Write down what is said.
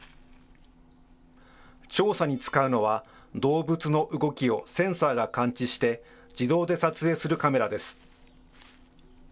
調査に使うのは、動物の動きをセンサーが感知して、自動で撮影するカメラです。